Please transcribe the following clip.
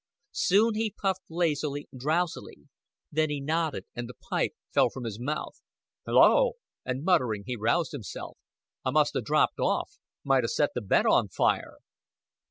Soon he puffed lazily, drowsily; then he nodded, and then the pipe fell from his mouth. "Hullo!" And muttering, he roused himself. "I must 'a' dropped off. Might 'a' set the bed on fire."